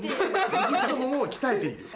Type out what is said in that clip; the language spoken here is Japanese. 右太ももを鍛えている！？